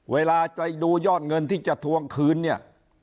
เวลาจะดูยอดเงินที่จะทวงคืนเนี่ย